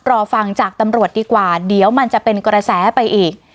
รอฟังจากตำรวจดีกว่าเดี๋ยวมันจะเป็นกระแสไปอีก